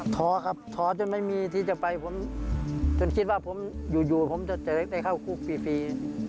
ท้อกับท้อก็ไม่มีที่จะไปผมจนคิดว่าผมอยู่ที่์จะได้เข้าคูกฟรี